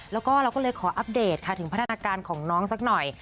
แล้วก็เราก็เลยขออัปเดตค่ะถึงพัฒนาการของน้องสักหน่อย